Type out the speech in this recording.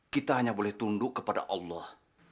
kita hanya boleh tunduk kepada allah